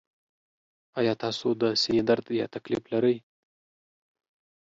ایا تاسو د سینې درد یا تکلیف لرئ؟